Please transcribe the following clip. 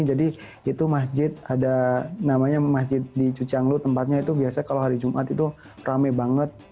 jadi itu masjid ada namanya masjid di cucianglu tempatnya itu biasanya kalau hari jumat itu rame banget